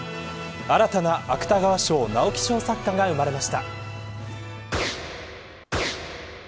新たな芥川賞、直木賞作家が生まれました。